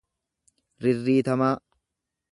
rirriitamaa.